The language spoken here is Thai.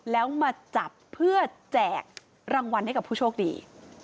แล้วมาจับเพื่อแจกรางวัลให้กับผู้โชคดี